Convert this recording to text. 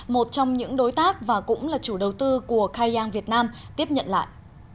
một trong những đối tác và cũng là chủ đầu tư của cai giang việt nam tiếp nhận lại